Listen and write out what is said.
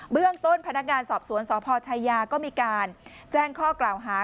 เรื่องต้นพนักงานสอบสวนสพชายาก็มีการแจ้งข้อกล่าวหา